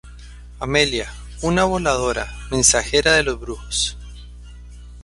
Amelia: Una voladora, mensajera de los brujos.